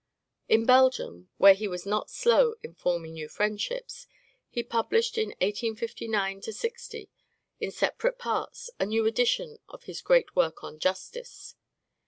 In Belgium, where he was not slow in forming new friendships, he published in 1859 60, in separate parts, a new edition of his great work on "Justice."